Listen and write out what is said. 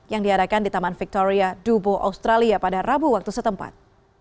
yang diadakan di taman victoria dubo australia pada rabu waktu setempat